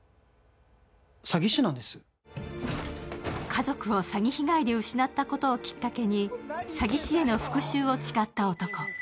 家族を詐欺被害で失ったことをきっかけに、詐欺師への復しゅうを誓った男。